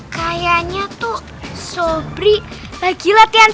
kayaknya tuh sobri lagi latihan